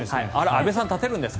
安部さん、立てるんですか？